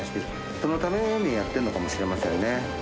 そのためにやってるのかもしれませんね。